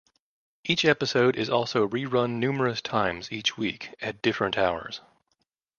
Each episode is also re-run numerous times each week at different hours.